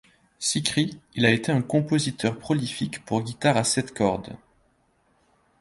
Sikhri, il a été un compositeur prolifique pour guitare à sept cordes.